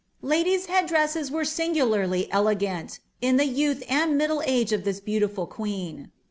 ^' Ladies' head dresses were singularly elegant, in the yonlh and mukilf age of this beautiful queen.